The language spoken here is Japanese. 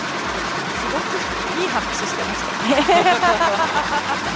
すごくいい話をしていましたね。